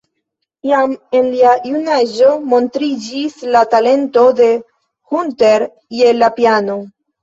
Jam en lia junaĝo montriĝis la talento de Hunter je la piano.